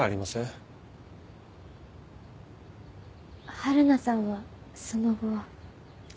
春菜さんはその後は？